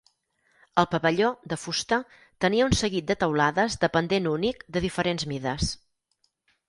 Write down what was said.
El pavelló, de fusta, tenia un seguit de teulades de pendent únic de diferents mides.